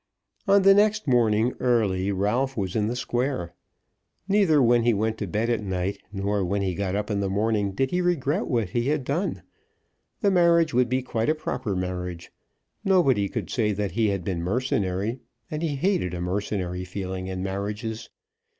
On the next morning early Ralph was in the square. Neither when he went to bed at night, nor when he got up in the morning, did he regret what he had done. The marriage would be quite a proper marriage. Nobody could say that he had been mercenary, and he hated a mercenary feeling in marriages.